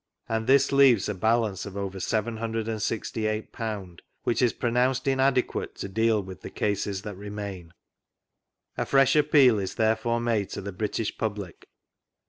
and this leaves a balance of over JC7&&, which is pro nounced inadequate to deal with the cases that remain. A fresh appeal is therefore made to the British Public.